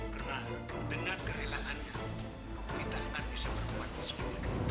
karena dengan kelelahannya kita akan bisa berubah sepeda